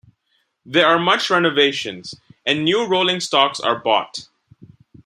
There are much renovations, and new rolling stocks are bought.